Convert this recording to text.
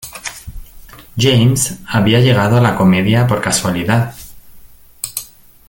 James había llegado a la comedia por casualidad.